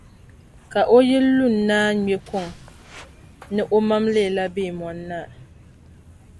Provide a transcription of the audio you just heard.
Ka o yili lun-naa ŋme kuŋa ni o mam leela Beemoni-naa.